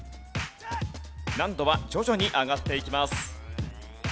難度は徐々に上がっていきます。